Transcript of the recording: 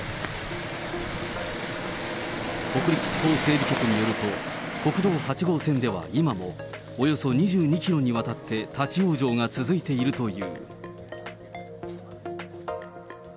北陸地方整備局によると、国道８号線では今もおよそ２２キロにわたって立往生が続いているという。